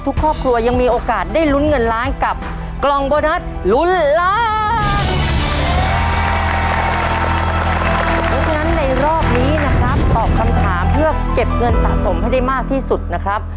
ตอบคำถามเพื่อเก็บเงินสะสมให้ได้มากที่สุดนะครับ